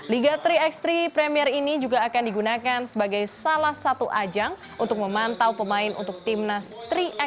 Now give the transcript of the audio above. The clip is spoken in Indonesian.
liga tiga x tiga premier ini juga akan digunakan sebagai salah satu ajang untuk memantau pemain untuk timnas tiga